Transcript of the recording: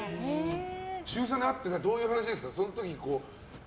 週３で会ってどういう話するんですか？